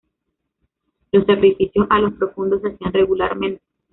Los sacrificios a los Profundos se hacían regularmente.